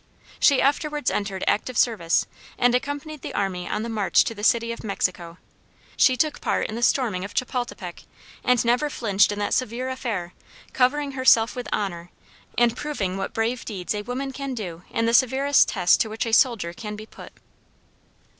She afterwards entered active service, and accompanied the army on the march to the city of Mexico. She took part in the storming of Chepultepec, and never flinched in that severe affair, covering herself with honor, and proving what brave deeds a woman can do in the severest test to which a soldier can be put.